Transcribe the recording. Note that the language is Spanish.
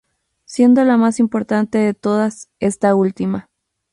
Siendo la más importante de todas, esta última.